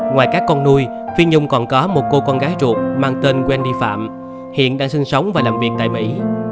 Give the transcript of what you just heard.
ngoài các con nuôi phi nhung còn có một cô con gái ruột mang tên quen đi phạm hiện đang sinh sống và làm việc tại mỹ